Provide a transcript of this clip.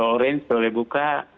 orange boleh buka